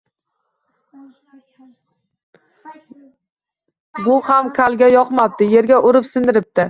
Bu ham kalga yoqmabdi, yerga urib sindiribdi